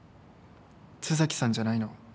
津崎さんじゃないの？